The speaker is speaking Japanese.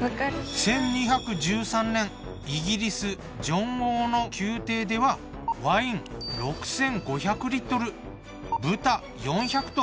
１２１３年イギリスジョン王の宮廷ではワイン６，５００豚４００頭